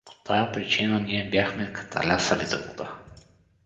По тая причина ние бяхме каталясали за вода.